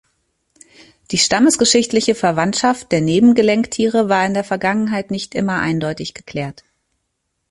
Die stammesgeschichtliche Verwandtschaft der Nebengelenktiere war in der Vergangenheit nicht immer eindeutig geklärt.